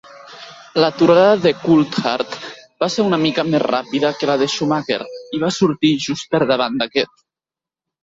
L'aturada de Coulthard va ser una mica més ràpida que la de Schumacher, i va sortir just per davant d'aquest.